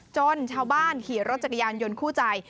ชาวบ้านขี่รถจักรยานยนต์คู่ใจ